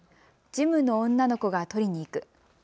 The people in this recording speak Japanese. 事務の女の子が取りに行く。